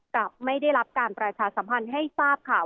กลับไม่ได้รับการประชาสัมพันธ์ให้ทราบข่าว